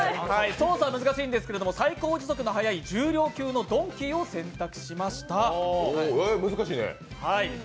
操作は難しいんですけど最高時速は速い重量級のドンキーを選択しました。